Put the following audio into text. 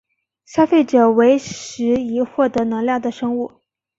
消费者为食以获得能量的生物。